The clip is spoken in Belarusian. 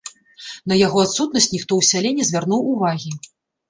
На яго адсутнасць ніхто ў сяле не звярнуў увагі.